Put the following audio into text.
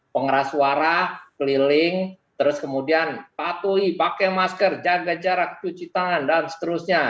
pengeras suara keliling terus kemudian patuhi pakai masker jaga jarak cuci tangan dan seterusnya